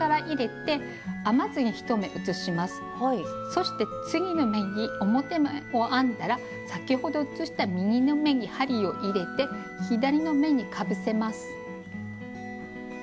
そして次の目に表目を編んだら先ほど移した右の目に針を入れて左の目にかぶせます。